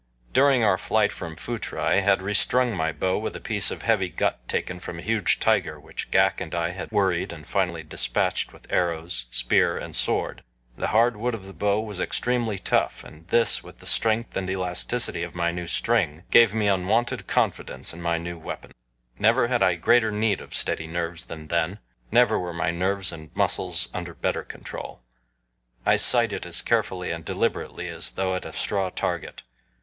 During our flight from Phutra I had restrung my bow with a piece of heavy gut taken from a huge tiger which Ghak and I had worried and finally dispatched with arrows, spear, and sword. The hard wood of the bow was extremely tough and this, with the strength and elasticity of my new string, gave me unwonted confidence in my weapon. Never had I greater need of steady nerves than then never were my nerves and muscles under better control. I sighted as carefully and deliberately as though at a straw target.